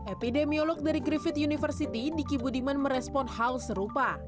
epidemiolog dari griffith university diki budiman merespon hal serupa